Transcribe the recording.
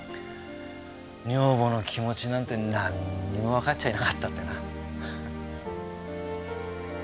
女房の気持ちなんてなんにもわかっちゃいなかったってな。